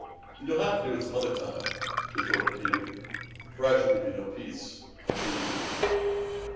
"Then you'll have to do it some other time," retorted Peter, "for I shall give you no peace until you do."